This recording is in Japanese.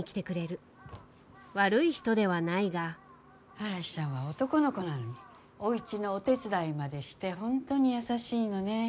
嵐ちゃんは男の子なのにおうちのお手伝いまでして本当に優しいのね。